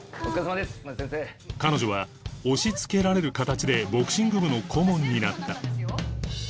彼女は押しつけられる形でボクシング部の顧問になった